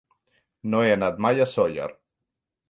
No he anat mai a Sóller.